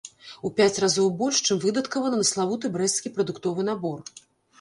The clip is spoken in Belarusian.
У пяць разоў больш, чым выдаткавана на славуты брэсцкі прадуктовы набор.